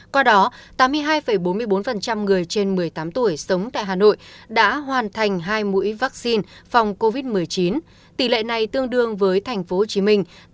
qua đó tám mươi hai bốn mươi bốn người trên một mươi tám tuổi sống tại hà nội đã hoàn thành hai mũi vaccine phòng covid một mươi chín tỷ lệ này tương đương với tp hcm tám mươi hai sáu mươi hai